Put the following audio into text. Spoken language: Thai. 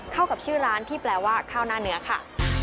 เข้ากับชื่อร้านที่แปลว่าข้าวหน้าเนื้อค่ะ